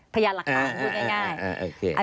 พยานหลักฐานพูดง่าย